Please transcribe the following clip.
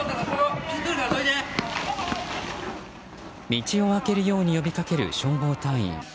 道を開けるように呼びかける消防隊員。